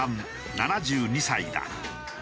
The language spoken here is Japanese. ７２歳だ。